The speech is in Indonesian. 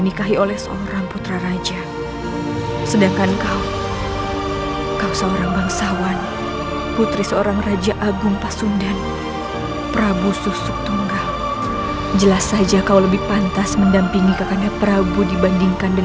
nih mas sepertinya disini banyak jebakan